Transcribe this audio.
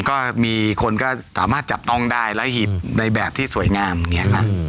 ก็มีคนก็สามารถจับต้องได้และหีบในแบบที่สวยงามอย่างนี้ค่ะ